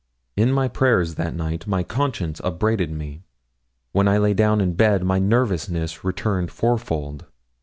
In my prayers that night my conscience upbraided me. When I lay down in bed my nervousness returned fourfold.